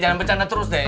jangan bercanda terus deh